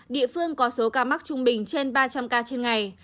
địa phương có số ca mắc trung bình trên ba trăm linh ca trên ngày